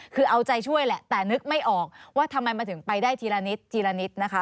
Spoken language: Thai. คือเอาใจช่วยแหละแต่นึกไม่ออกว่าทำไมมันถึงไปได้ทีละนิดทีละนิดนะคะ